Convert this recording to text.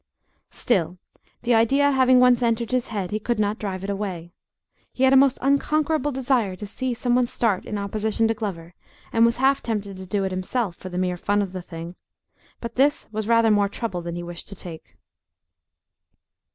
Still, the idea having once entered his head, he could not drive it away. He had a most unconquerable desire to see some one start in opposition to Glover, and was half tempted to do it himself, for the mere fun of the thing. But this was rather more trouble than he wished to take.